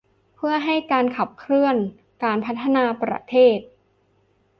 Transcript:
เพื่อให้การขับเคลื่อนการพัฒนาประเทศ